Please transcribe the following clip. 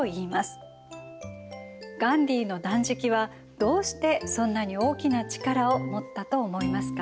ガンディーの断食はどうしてそんなに大きな力を持ったと思いますか？